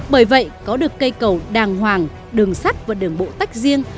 bởi vậy có được cây cầu đàng hoàng đường sắt và đường bộ tách riêng